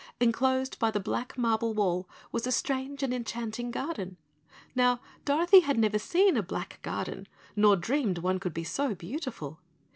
Enclosed by the black marble wall was a strange and enchanting garden. Now, Dorothy had never seen a black garden, nor dreamed one could be so beautiful.